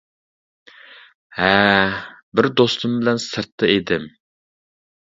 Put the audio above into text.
ھە، بىر دوستۇم بىلەن سىرتتا ئىدىم.